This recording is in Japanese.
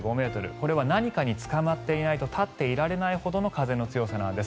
これは何かにつかまっていないと立っていられないほどの風の強さです。